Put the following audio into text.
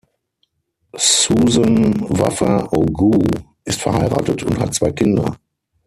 Susan Waffa-Ogoo ist verheiratet und hat zwei Kinder.